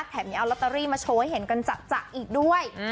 แถมยังเอาลอตเตอรี่มาโชว์ให้เห็นกันจัดอีกด้วย